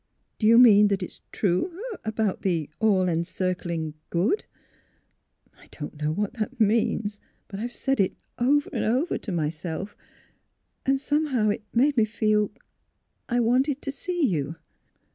" Do you mean that it's true about the — the All Encircling — Good? I don't know what that means; but I've said it over and over to myself, and somehow it made me feel — I wanted to see you.